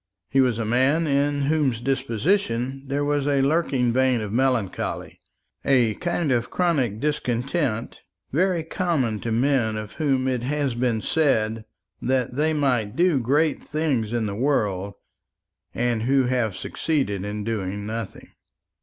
He was a man in whose disposition there was a lurking vein of melancholy a kind of chronic discontent very common to men of whom it has been said that they might do great things in the world, and who have succeeded in doing nothing.